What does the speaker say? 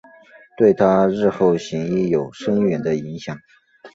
对她日后行医有深远的影响。